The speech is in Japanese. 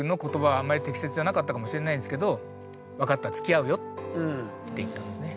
あんまり適切じゃなかったかもしれないんですけど「分かったつきあうよ」って言ったんですね。